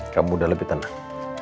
kamu udah lebih tenang